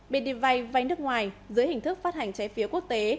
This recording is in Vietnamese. bên đi vay vay nước ngoài dưới hình thức phát hành trái phiếu quốc tế